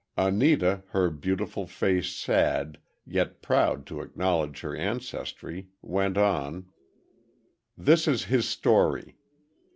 Anita, her beautiful face sad, yet proud to acknowledge her ancestry, went on: "This is his story.